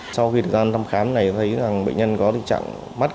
sau khi thời gian thăm khám này thấy rằng bệnh nhân có tình trạng mắt